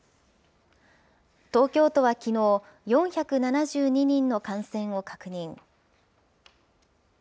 東京都はきのう、４７２人の感染を確認。